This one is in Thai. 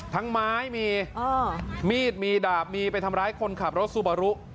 ทั้งไม้มีมีดมีดาบมีไปทำร้ายคนขับรถซูบารุ